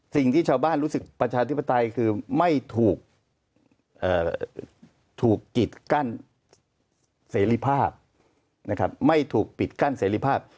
สิ่งที่ชาวบ้านรู้สึกประชาธิปไตยคือไม่ถูกกิดกั้นเสรีภาพ